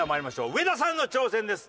上田さんの挑戦です。